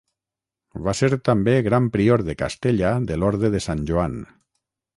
Va ser també gran prior de Castella de l'Orde de Sant Joan.